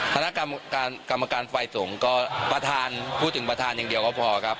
คณะกรรมการฝ่ายสงฯก็พูดถึงประธานอย่างเดียวก็พอครับ